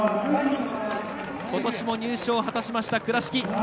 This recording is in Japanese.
ことしも入賞を果たしました倉敷。